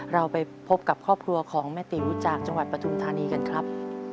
เราไปพบกับครอบครัวของแม่ติ๋วจากจังหวัดปฐุมธานีกันครับ